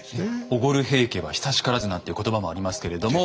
「おごる平家は久しからず」なんて言葉もありますけれども。